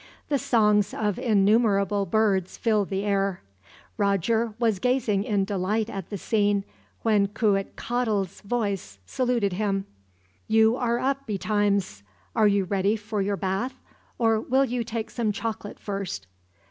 The songs of innumerable birds filled the air. Roger was gazing in delight at the scene, when Cuitcatl's voice saluted him. "So you are up betimes; are you ready for your bath, or will you take some chocolate first?"